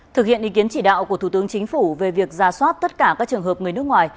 thực hiện ý kiến chỉ đạo của thủ tướng chính phủ về việc ra soát tất cả các trường hợp người nước ngoài